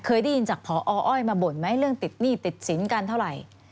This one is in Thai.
เคยได้ยินจากพออ้อยมาบ่นไหมเรื่องติดหนี้ติดสินกันเท่าไหร่